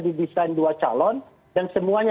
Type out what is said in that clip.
didesain dua calon dan semuanya